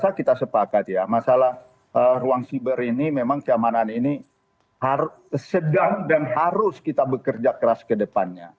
saya rasa kita sepakat ya masalah ruang siber ini memang keamanan ini sedang dan harus kita bekerja keras ke depannya